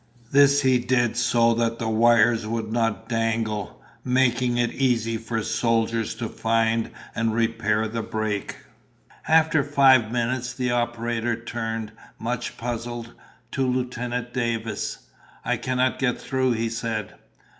This he did so that the wires would not dangle, making it easy for soldiers to find and repair the break. After five minutes, the operator turned, much puzzled, to Lieutenant Davis. "I cannot get through," he said.